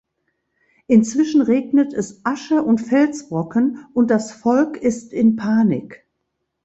Inzwischen regnet es Asche und Felsbrocken und das Volk ist in Panik.